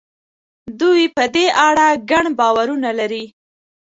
دوی په دې اړه ګڼ باورونه لري.